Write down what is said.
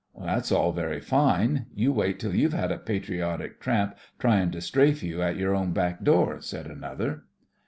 "That's all very fine. You wait till you've had a patriotic tramp tryin' to strafe you at your own back door," said another.